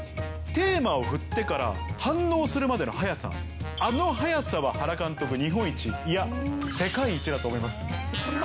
テーマを振ってから、反応するまでの早さ、あの早さは原監督、日本一、いや、世界一だと思います。